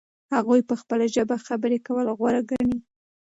هغوی په خپله ژبه خبرې کول غوره ګڼي.